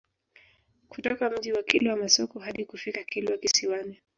Kutoka Mji wa Kilwa Masoko hadi kufika Kilwa Kisiwani